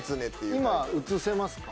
あれ今映せますか？